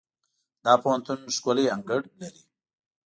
دا پوهنتون ښکلی انګړ لري.